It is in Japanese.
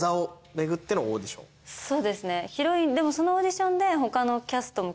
そうですねでも。